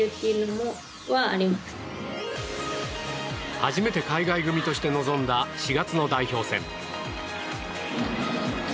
初めて海外組として臨んだ４月の代表戦。